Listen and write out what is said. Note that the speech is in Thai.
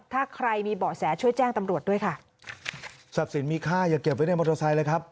ถ้าใครมีเบาะแสช่วยแจ้งตำรวจด้วยค่ะทรัพย์สินมีค่าอย่าเก็บไว้ในมอเตอร์ไซค์เลยครับ